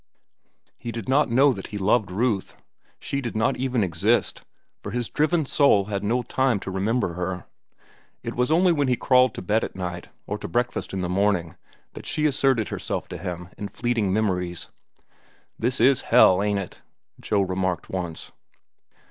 He did not know that he loved Ruth. She did not even exist, for his driven soul had no time to remember her. It was only when he crawled to bed at night, or to breakfast in the morning, that she asserted herself to him in fleeting memories. "This is hell, ain't it?" Joe remarked once.